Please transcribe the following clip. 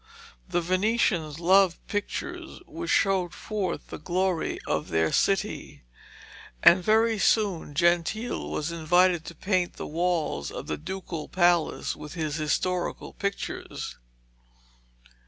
The Venetians loved pictures which showed forth the glory of their city, and very soon Gentile was invited to paint the walls of the Ducal Palace with his historical pictures.